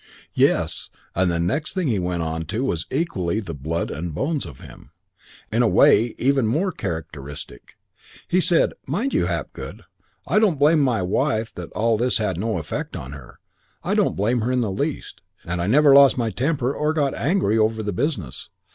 Yes, and the next thing he went on to was equally the blood and bones of him. In a way even more characteristic. He said, 'Mind you, Hapgood, I don't blame my wife that all this had no effect on her. I don't blame her in the least, and I never lost my temper or got angry over the business.